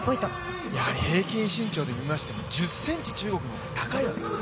平均身長でみましても、１０ｃｍ、中国の方が高いんです。